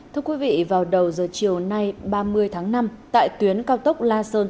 thưa quý vị vào đầu giờ chiều nay ba mươi tháng năm tại tuyến cao tốc la sơn